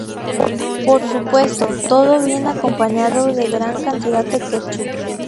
Por supuesto, todo bien acompañado de gran cantidad de ketchup.